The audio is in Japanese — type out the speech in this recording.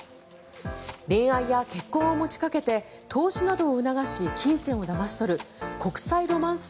恋愛や結婚を持ちかけて投資などを促し金銭をだまし取る国際ロマンス